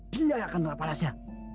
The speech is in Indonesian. dia yang akan menerah panasnya